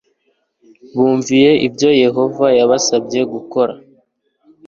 bumviye ibyo yehova yabasabye gukora